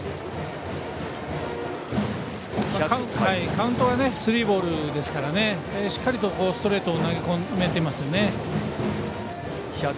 カウントはスリーボールですからしっかりとストレートを投げ込めていますね。